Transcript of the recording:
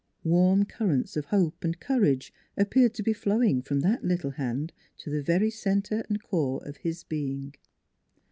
Warm currents of hope and courage appeared to be flowing from that little hand to the very center and core of his being.